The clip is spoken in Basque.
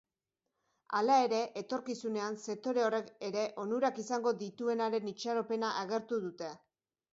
Hala ere, etorkizunean sektore horrek ere onurak izango dituenaren itxaropena agertu dute.